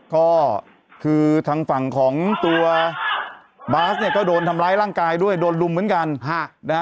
ก็คือทางฝั่งของตัวบาสเนี่ยก็โดนทำร้ายร่างกายด้วยโดนลุมเหมือนกัน